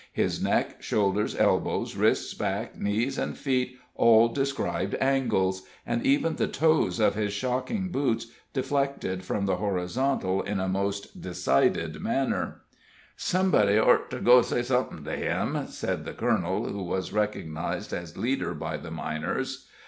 His neck, shoulders, elbows, wrists, back, knees and feet all described angles, and even the toes of his shocking boots deflected from the horizontal in a most decided manner. "Somebody ort to go say somethin' to him," said the colonel, who was recognized as leader by the miners.